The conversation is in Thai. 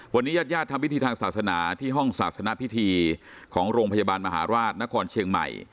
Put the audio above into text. วันนี้ญาติญาติทำพิธีทางศาสนาที่ห้องศาสนพิธีของโรงพยาบาลมหาราชนครเชียงใหม่